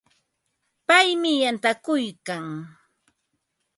Paymi yantakuykan.